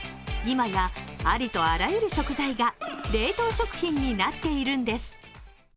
今やありとあらゆる食材が冷凍食品になっているんです。